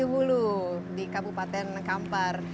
hulu di kabupaten kampar